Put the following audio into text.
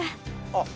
あっ